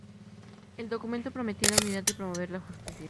El documento prometía la unidad y promover la justicia.